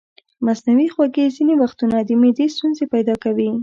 مصنوعي خوږې ځینې وختونه د معدې ستونزې پیدا کوي.